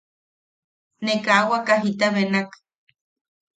Ne kaa waka jita benak.